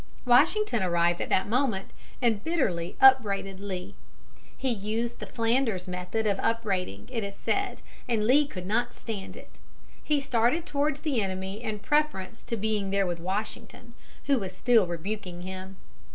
Washington arrived at that moment, and bitterly upbraided Lee. He used the Flanders method of upbraiding, it is said, and Lee could not stand it. He started towards the enemy in preference to being there with Washington, who was still rebuking him.